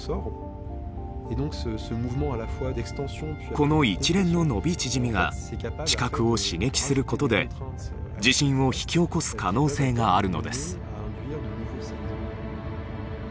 この一連の伸び縮みが地殻を刺激することで地震を引き起こす可能性があるのです。